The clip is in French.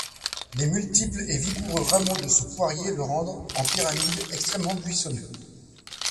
Les multiples et vigoureux rameaux de ce poirier le rendent, en pyramide, extrêmement buissonneux.